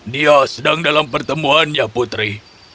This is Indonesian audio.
dia sedang dalam pertemuan ya putri